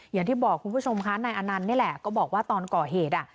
อย่างที่บอกคุณผู้ชมคะนายอนันต์นี่แหละก็บอกว่าตอนก่อเหตุอ่ะ